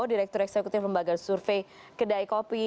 direktur eksekutif lembaga survei kedai kopi